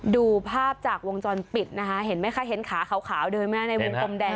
ดูภาพจากวงจรปิดนะคะเห็นไหมคะเห็นขาขาวเดินมาในวงกลมแดง